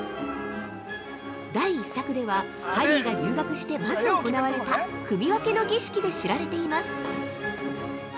第１作では、ハリーが入学してまず行われた組分けの儀式で知られています。